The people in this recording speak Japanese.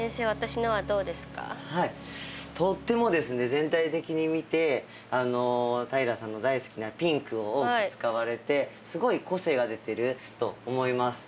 全体的に見て平さんの大好きなピンクを多く使われてすごい個性が出てると思います。